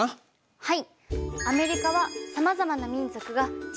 はい。